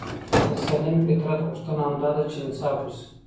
د سلیم فطرت غوښتنه همدا ده چي انصاف وسي.